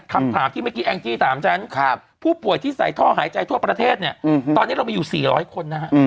คำถามที่เมื่อกี้แองจี้ถามฉันผู้ป่วยที่ใส่ท่อหายใจทั่วประเทศเนี่ยตอนนี้เรามีอยู่๔๐๐คนนะฮะ